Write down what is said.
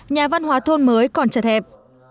nhà văn hóa thôn mới còn chật hẹp